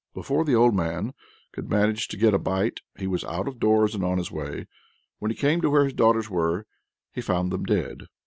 Before the old man could manage to get a bite he was out of doors and on his way. When he came to where his daughters were, he found them dead.